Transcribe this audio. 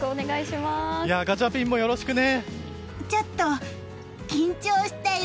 ガチャピンもよろしくね。